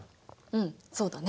うんそうだね。